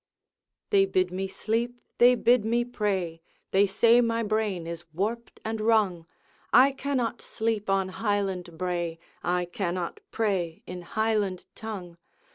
They bid me sleep, they bid me pray, They say my brain is warped and wrung I cannot sleep on Highland brae, I cannot pray in Highland tongue.